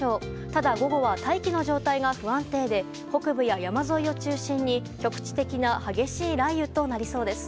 ただ、午後は大気の状態が不安定で北部や山沿いを中心に局地的な激しい雷雨となりそうです。